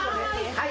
はい。